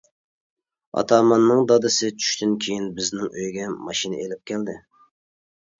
ئاتاماننىڭ دادىسى چۈشتىن كېيىن بىزنىڭ ئۆيگە ماشىنا ئېلىپ كەلدى.